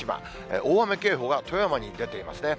大雨警報が富山に出ていますね。